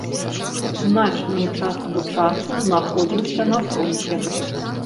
Значную частку часу знаходзіўся на фронце.